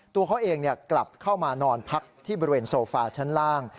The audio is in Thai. ตัวเขาเองกลับเข้ามานอนพักที่บริเวณโซฟาชั้นล่าง